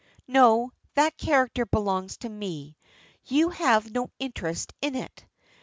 "No, that character belongs to me. You have no interest in it.